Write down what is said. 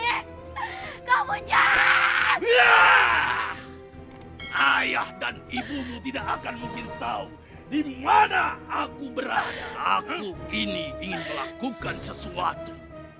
aku ini ingin melakukan sesuatu